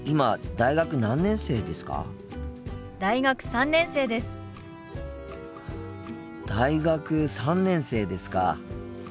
大学３年生ですか。